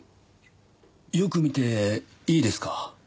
よく見ていいですか？